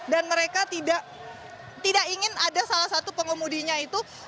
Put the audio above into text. dan mereka tidak ingin ada salah satu pengemudinya itu